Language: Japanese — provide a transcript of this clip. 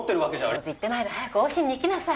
ぶつぶつ言ってないで早く往診に行きなさい。